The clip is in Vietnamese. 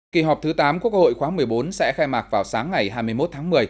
kỳ họp thứ tám quốc hội khóa một mươi bốn sẽ khai mạc vào sáng ngày hai mươi một tháng một mươi